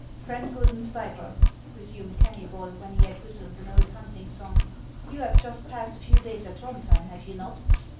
•' Friend Guidon Stay per," resumed Keuuybol, when he had whistled an old hunting song, "you have just passed a few days at Throndhjem, have you not